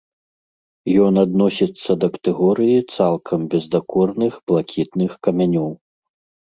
Ён адносіцца да катэгорыі цалкам бездакорных блакітных камянёў.